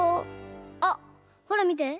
あっほらみて。